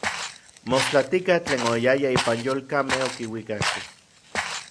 Mostlatika tlen oyayaj ipan yolkamej okiuikakej.